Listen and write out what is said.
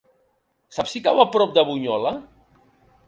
Saps si cau a prop de Bunyola?